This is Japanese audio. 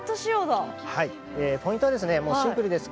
ポイントは、シンプルです。